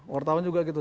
wartawan juga gitu